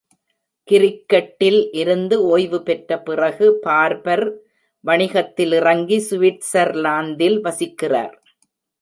கிரிக்கெட்டில் இருந்து ஓய்வு பெற்ற பிறகு, பார்பர் வணிகத்தில் இறங்கி சுவிட்சர்லாந்தில் வசிக்கிறார்.